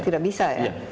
tidak bisa ya